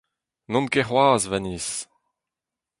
N’on ket c’hoazh, va niz